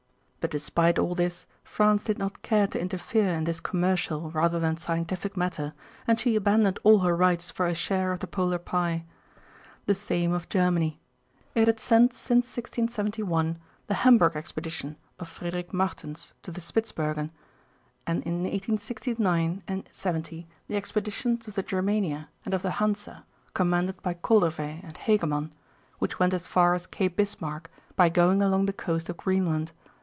But despite all this France did not care to interfere in this commercial rather than scientific matter, and she abandoned all her rights for a share of the polar pie. The same of Germany. It had sent since 1671 the Hamburg expedition of Frederic Martens to the Spitsbergen, and in 1869 and '70 the expeditions of the Germania and of the Hansa, commanded by Koldervey and Hegeman, which went as far as Cape Bismarck by going along the coast of Greenland.